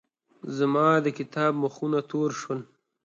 زما د کتاب مخونه تور شول.